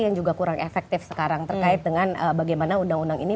yang juga kurang efektif sekarang terkait dengan bagaimana undang undang ini